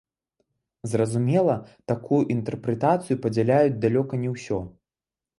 Зразумела, такую інтэрпрэтацыю падзяляюць далёка не ўсё.